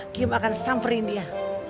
kiam akan samperin dia